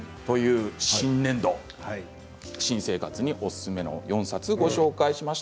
新年度、新生活におすすめの４冊ご紹介しました。